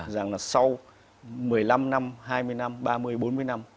rằng là sau một mươi năm năm hai mươi năm ba mươi bốn mươi năm